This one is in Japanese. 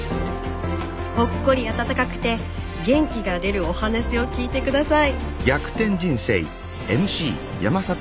ほっこり温かくて元気が出るお話を聞いて下さい。